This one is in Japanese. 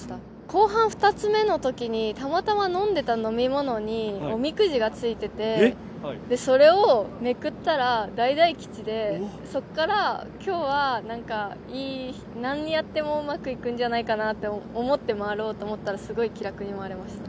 後半２つ目のときにたまたま飲んでた飲み物におみくじでついてて、それをめくったら、大大吉で、そこからきょうは、何やってもうまくいくんじゃないかなと思って回ったら、すごい気楽に回れました。